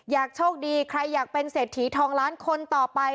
อยากโชคดีใครอยากเป็นเศรษฐีทองล้านคนต่อไป